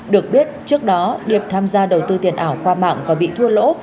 được biết trước đó điệp tham gia đầu tư tiền ảo qua mạng và bị thua lỗ